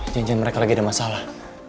jangan jangan mereka lagi ada masalah